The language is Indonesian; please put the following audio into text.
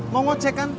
mau ngocek kan